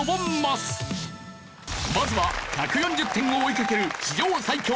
まずは１４０点を追いかける史上最強！